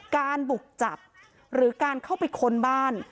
การบุกจับหรือการเข้าไปค้นบ้าน